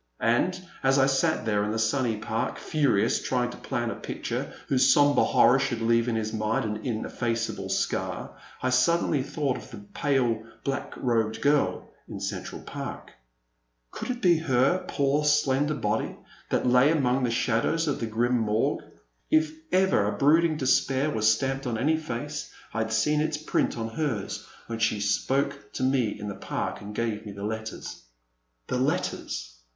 And, as I sat there in the sunny park, furious, trying to plan a picture whose sombre horror should leave in his mind an ineffaceable scar, I suddenly thought of the pale black robed girl in Central Park. Could it be her poor slender body that lay among the shadows of the grim Morgue ! If ever A Pleasant Evening. 329 brooding despair was stamped on any face, I had seen its print on hers when she spoke to me in the Park and gave me the letters. The letters